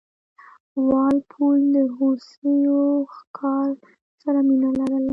وال پول د هوسیو ښکار سره مینه لرله.